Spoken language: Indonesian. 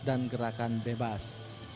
dan gerakan bebas